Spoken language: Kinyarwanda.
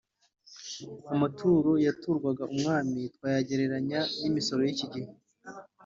Amaturo yaturwaga umwami twagereranya n’imisoro y’iki gihe.